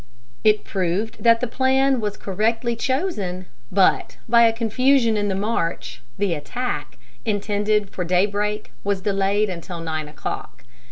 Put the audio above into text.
It proved that the plan was correctly chosen, but, by a confusion in the march, the attack, intended for day break, was delayed until nine o'clock.